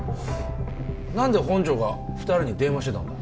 何で本条が２人に電話してたんだ？